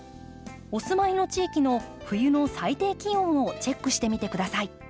お住まいの地域の冬の最低気温をチェックしてみて下さい。